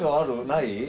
ない？